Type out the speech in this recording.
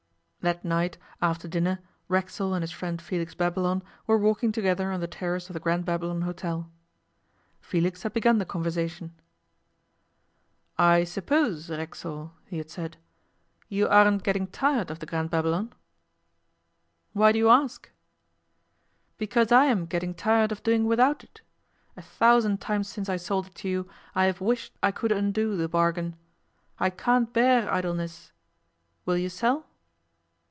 That night, after dinner, Racksole and his friend Felix Babylon were walking together on the terrace of the Grand Babylon Hôtel. Felix had begun the conversation. 'I suppose, Racksole,' he had said, 'you aren't getting tired of the Grand Babylon?' 'Why do you ask?' 'Because I am getting tired of doing without it. A thousand times since I sold it to you I have wished I could undo the bargain. I can't bear idleness. Will you sell?